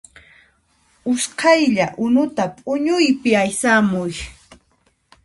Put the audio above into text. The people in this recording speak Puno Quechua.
Usqhaylla unuta p'uñuypi aysamuy